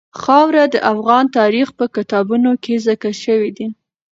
خاوره د افغان تاریخ په کتابونو کې ذکر شوی دي.